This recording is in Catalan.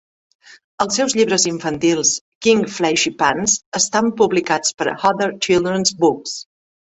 Els seus llibres infantils "King Flashypants" estan publicats per Hodder Children's Books.